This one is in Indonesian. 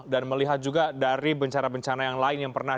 dan melihat juga dari bencana bencana yang lain yang pernah